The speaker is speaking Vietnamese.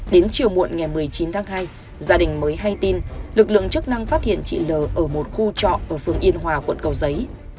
đến chiều muộn ngày một mươi chín tháng hai gia đình mới hay tin lực lượng chức năng phát hiện chị l ở một khu trọ ở phường yên hòa quận cầu giấy